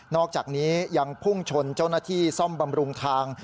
อกจากนี้ยังพุ่งชนเจ้าหน้าที่ซ่อมบำรุงทาง